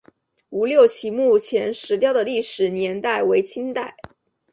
吴六奇墓前石雕的历史年代为清代。